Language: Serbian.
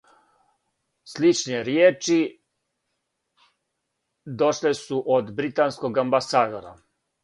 Сличне ријечи дошле су од британског амбасадора.